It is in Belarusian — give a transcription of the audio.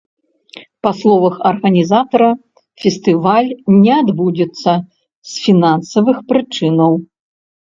Па словах арганізатара, фестываль не адбудзецца з фінансавых прычынаў.